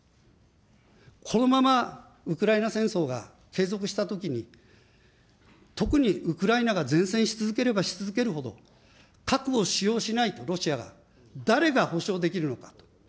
このままウクライナ戦争が継続したときに、特にウクライナが善戦し続ければし続けるほど、核を使用しないとロシアが、誰が保障できるのか。